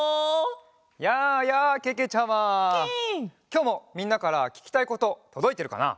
きょうもみんなからききたいこととどいてるかな？